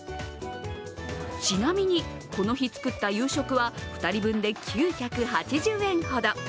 ちなみに、この日作った夕食は２人分で９８０円ほど。